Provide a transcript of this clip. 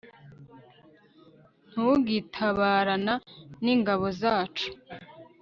ntugitabarana n'ingabo zacu